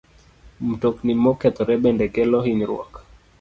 Mtokni mokethore bende kelo hinyruok.